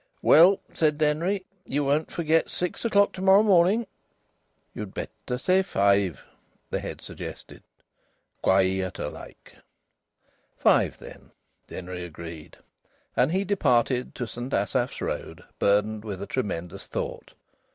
"Well," said Denry, "you won't forget. Six o'clock to morrow morning." "Ye'd better say five," the head suggested. "Quieter like." "Five, then," Denry agreed. And he departed to St Asaph's Road burdened with a tremendous thought.